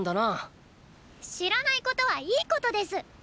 知らないことはいいことです！